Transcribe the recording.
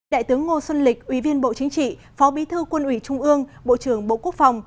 đại tướng ngô xuân lịch ủy viên bộ chính trị phó bí thư quân ủy trung ương bộ trưởng bộ quốc phòng